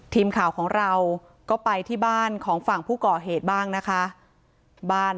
ทีมข่าวของเราก็ไปที่บ้านของฝั่งผู้ก่อเหตุบ้างนะคะบ้าน